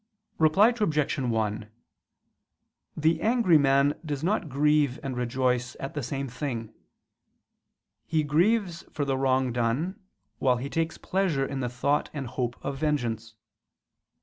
Reply Obj. 1: The angry man does not grieve and rejoice at the same thing; he grieves for the wrong done, while he takes pleasure in the thought and hope of vengeance.